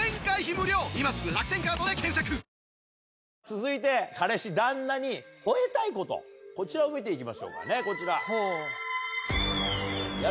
続いて彼氏旦那に吠えたいことこちらを見て行きましょうかねこちら。